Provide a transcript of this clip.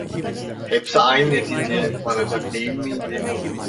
Hepsi aynı neticeye varacak değil miydi?